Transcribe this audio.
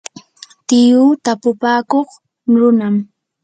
tiyuu tapupakuq runam.